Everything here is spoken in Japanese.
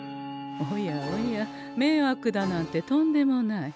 おやおやめいわくだなんてとんでもない。